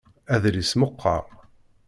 Adlis meqqer.